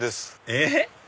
えっ？